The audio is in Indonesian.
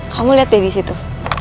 kamu lihat deh di situ